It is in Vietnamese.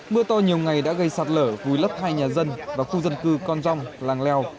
mưa to nhiều ngày đã gây sạt lở vùi lấp hai nhà dân và khu dân cư con rong làng leo